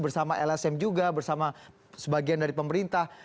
bersama lsm juga bersama sebagian dari pemerintah